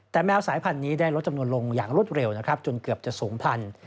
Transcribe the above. แต่แมวสายพันธุ์นี้ได้ลดจำนวนลงอย่างรวดเร็วนะครับจนเกือบจะสูงพันธุ